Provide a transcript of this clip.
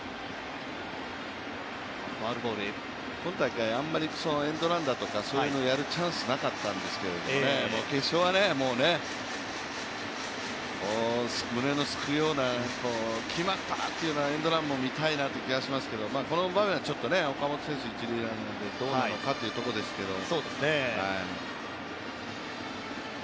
今大会、エンドランだとかそういうのをやるチャンスなかったんですけど決勝はね、胸のすくような、決まったというエンドランも見たいなって気がしますけど、この場面はちょっと、岡本選手一塁ランナーでどうなのかというところですけども。